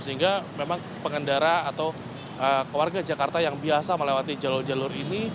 sehingga memang pengendara atau warga jakarta yang biasa melewati jalur jalur ini